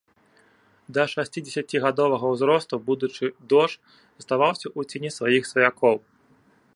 Да шасцідзесяцігадовага ўзросту будучы дож заставаўся ў цені сваіх сваякоў.